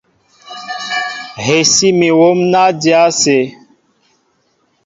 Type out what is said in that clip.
Hɛsí mi hǒm ná dya ásé.